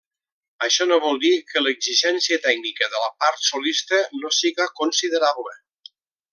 Això no vol dir que l'exigència tècnica de la part solista no siga considerable.